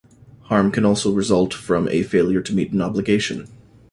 Harm can also result from a failure to meet an obligation.